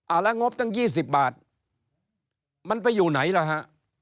แล้วงบตั้ง๒๐บาทมันไปอยู่ไหนล่ะฮะ